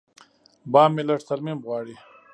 بام مې لږ ترمیم غواړي.